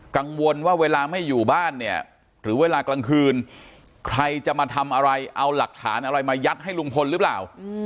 กังวลว่าเวลาไม่อยู่บ้านเนี่ยหรือเวลากลางคืนใครจะมาทำอะไรเอาหลักฐานอะไรมายัดให้ลุงพลหรือเปล่า